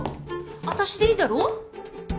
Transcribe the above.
私でいいだろ？